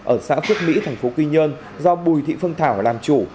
ở xã phước mỹ tp quy nhơn do bùi thị phương thảo làm chủ